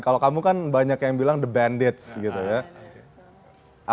kalau kamu kan banyak yang bilang the bandits gitu ya